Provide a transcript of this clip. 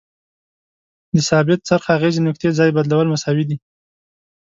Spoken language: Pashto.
د ثابت څرخ اغیزې نقطې ځای بدلول مساوي دي.